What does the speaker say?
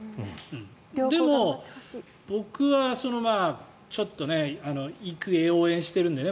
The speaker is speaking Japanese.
でも、僕はちょっと育英を応援してるんでね。